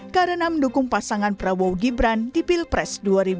karena mendukung pasangan prabowo gibran di pilpres dua ribu dua puluh empat